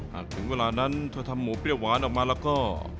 ถึงเวลานั้นถ้าทำหมูเปรี้ยวหวานออกมาแล้วก็